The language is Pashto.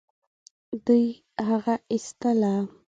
دوی هغه ايستله.